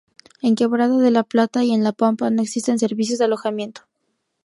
En Quebrada de la Plata y en La Pampa no existen servicios de alojamiento.